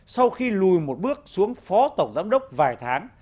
sau khi lùi một bước xuống phó tổng giám đốc vài tháng